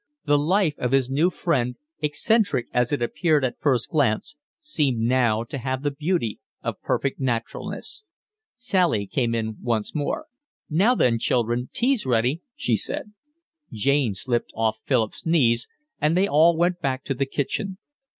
The life of his new friend, eccentric as it appeared at first glance, seemed now to have the beauty of perfect naturalness. Sally came in once more. "Now then, children, tea's ready," she said. Jane slipped off Philip's knees, and they all went back to the kitchen.